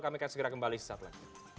kami akan segera kembali sesaat lain